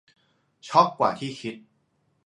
ช็อกกว่าที่คิด